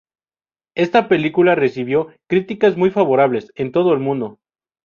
Esta película recibió "críticas muy favorables" en todo el mundo.